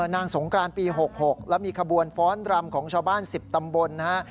นางสงกรานปี๖๖แล้วมีขบวนฟ้อนรำของชาวบ้าน๑๐ตำบลนะฮะ